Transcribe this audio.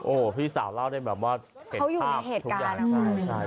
โอ้โหพี่สาวเล่าได้แบบว่าเห็นภาพทุกอย่างใช่